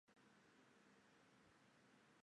出身于神奈川县横滨市。